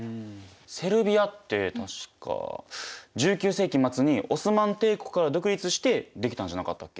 セルビアって確か１９世紀末にオスマン帝国から独立して出来たんじゃなかったっけ？